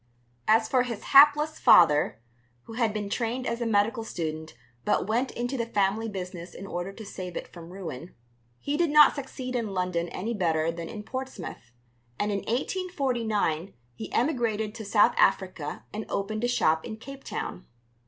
As for his hapless father (who had been trained as a medical student but went into the family business in order to save it from ruin), he did not succeed in London any better than in Portsmouth, and in 1849 he emigrated to South Africa and opened a shop in Cape Town.